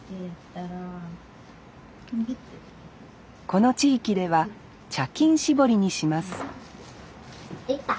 この地域では茶巾絞りにしますできた。